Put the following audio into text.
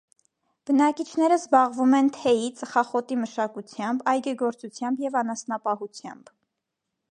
Բնակիչներն զբաղվում են թեյի, ծխախոտի մշակությամբ, այգեգործությամբ և անասնապահությամբ։